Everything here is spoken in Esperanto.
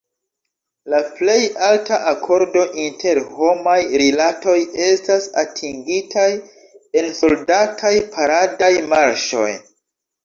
La plej alta akordo inter homaj rilatoj estas atingitaj en soldataj paradaj marŝoj.